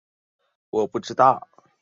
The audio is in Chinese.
范氏姮是嘉定省新和县新年东村出生。